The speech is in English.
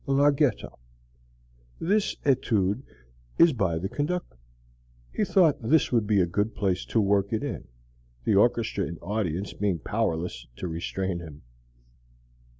Larghetto. This étude is by the conductor. (He thought this would be a good place to work it in, the orchestra and audience being powerless to restrain him.)